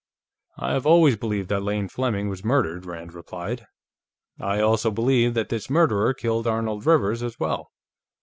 "I have always believed that Lane Fleming was murdered," Rand replied. "I also believe that his murderer killed Arnold Rivers, as well.